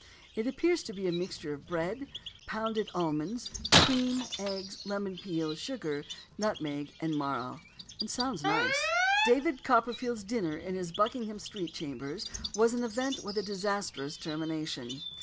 It appears to be a mixture of bread, pounded almonds, cream, eggs, lemon peel, sugar, nutmeg, and marrow; and sounds nice. David Copperfield's dinner in his Buckingham Street chambers was an event with a disastrous termination.